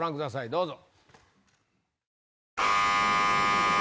どうぞ。